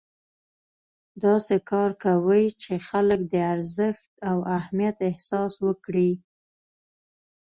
داسې کار کوئ چې خلک د ارزښت او اهمیت احساس وکړي.